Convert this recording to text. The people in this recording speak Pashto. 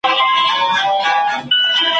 ایا څېړونکی باید د متن ژبه وڅېړي؟